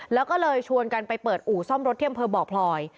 แล้วก็เลยชวนกันไปเปิดอู่ซ่อมรถที่อำเภอบ่อพลอย